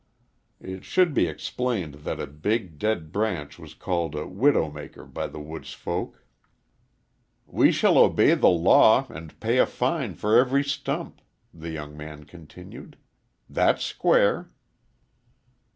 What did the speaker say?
It should be explained that a big, dead branch was called a "widow maker" by the woods folk. "We shall obey the law and pay a fine for every stump," the young man continued. "That's square."